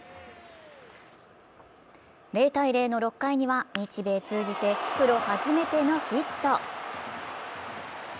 ０−０の６回には日米通じてプロ初めてのヒット。